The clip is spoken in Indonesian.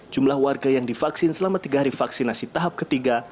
jumlah warga yang divaksin selama tiga hari vaksinasi tahap ketiga